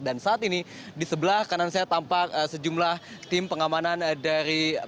dan saat ini di sebelah kanan saya tampak sejumlah tim pengamanan dari pengadilan